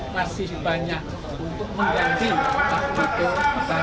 masih banyak untuk mengganti pak tito karnavian